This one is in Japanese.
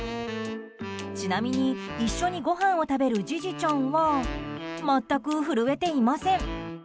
ちなみに、一緒にごはんを食べるジジちゃんは全く震えていません。